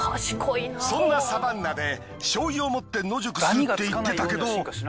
そんなサバンナで醤油を持って野宿するって言ってたけど。